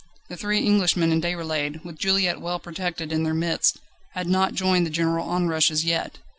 The three Englishmen and Déroulède, with Juliette well protected in their midst, had not joined the general onrush as yet.